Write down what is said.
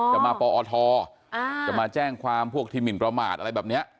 จะมาปอทจะมาแจ้งความพวกที่หมินประมาทอะไรแบบนี้